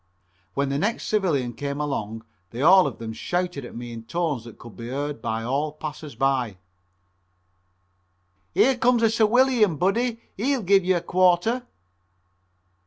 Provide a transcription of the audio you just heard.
When the next civilian came along they all of them shouted at me in tones that could be heard by all passers by: "Here comes a 'ciwilian,' buddy; he'll give you a quarter."